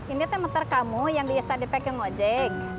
ini temeter kamu yang biasa dipake ngojek